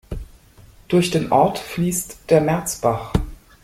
Durch den Ort fließt der Merzbach.